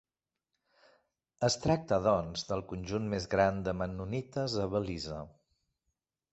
Es tracta, doncs, del conjunt més gran de mennonites a Belize.